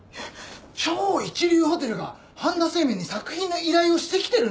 超一流ホテルが半田清明に作品の依頼をしてきてるんです！